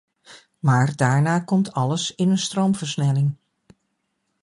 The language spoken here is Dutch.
Maar daarna komt alles in een stroomversnelling.